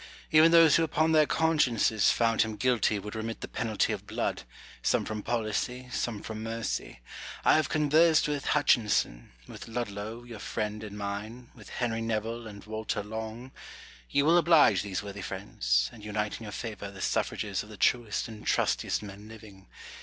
Even those who upon their consciences found him guilty would remit the penalty of blood, some from policy, some from mercy. I have conversed witli Hutchinson, with Ludlow, your friend and mine, with Henry Nevile, and Walter Long : you will oblige these worthy friends, and unite in your favour the suffrages of the truest and trustiest men living.